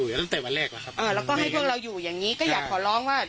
ตั้งแต่วันแรกแล้วครับอ่าแล้วก็ให้พวกเราอยู่อย่างงี้ก็อยากขอร้องว่า